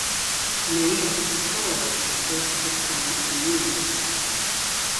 Many of its stores served the Hispanic community.